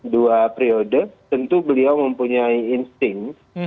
dua periode tentu beliau mempunyai insting